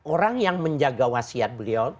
orang yang menjaga wasiat beliau